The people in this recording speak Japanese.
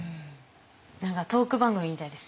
何かトーク番組みたいですね。